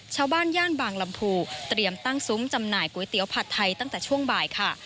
ย่านบางลำพูเตรียมตั้งซุ้มจำหน่ายก๋วยเตี๋ยวผัดไทยตั้งแต่ช่วงบ่ายค่ะ